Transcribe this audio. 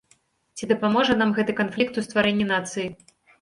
Ці дапаможа нам гэты канфлікт у стварэнні нацыі?